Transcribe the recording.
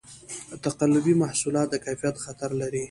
تقلبي محصولات د کیفیت خطر لري.